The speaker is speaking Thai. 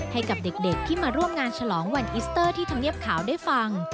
ให้กับเด็กที่มาร่วมงานฉลองวันอิสเตอร์ที่ธรรมเนียบขาวได้ฟัง